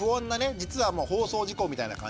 実はもう放送事故みたいな感じの。